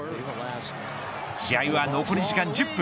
試合は残り時間１０分。